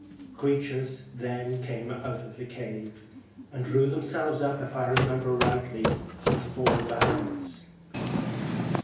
The creatures then came out of the cave, and drew them selves up, if I remember rightly, in four bands.